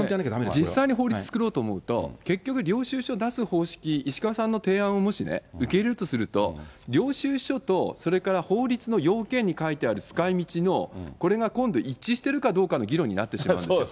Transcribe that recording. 実際に法律作ろうと思うと、結局、領収書を出す方式、石川さんの提案をもし受け入れるとすると、領収書とそれから法律の要件に書いてある使いみちの、これが今度一致しているかどうかの議論になってしまうんですよ。